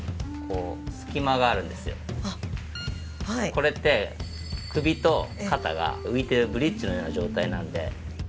これって首と肩が浮いているブリッジのような状態なので。